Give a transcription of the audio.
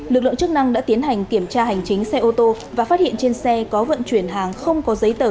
lực lượng chức năng đã tiến hành kiểm tra hành chính xe ô tô và phát hiện trên xe có vận chuyển hàng không có giấy tờ